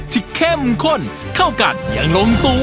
เข้มข้นเข้ากันอย่างลงตัว